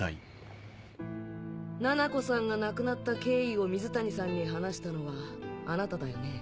ななこさんが亡くなった経緯を水谷さんに話したのはあなただよね？